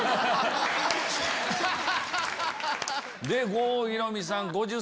郷ひろみさん。